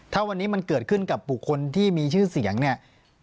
ถ้าวันนี้มันเกิดขึ้นกับบุคคลที่มีชื่อเสียงเนี่ย